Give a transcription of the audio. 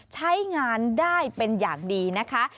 ใช้งานได้เป็นอย่างดีนะคะ